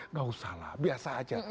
nggak usah lah biasa aja